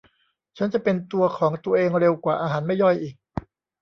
ฉันจะเป็นตัวของตัวเองเร็วกว่า อาหารไม่ย่อยอีก